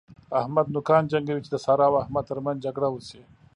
احمد نوکان جنګوي چې د سارا او احمد تر منځ جګړه وشي.